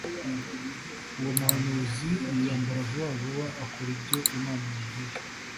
Uwo muhanuzi yiyambura vuba vuba akora ibyo imana imubwiye.